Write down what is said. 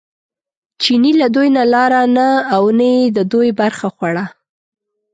چیني له دوی نه لاره نه او نه یې د دوی برخه خوړه.